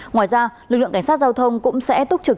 ngoài ra lực lượng cảnh sát giao thông cũng sẽ túc trực